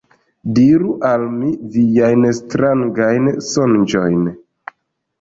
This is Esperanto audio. Do diru al mi viajn strangajn sonĝojn.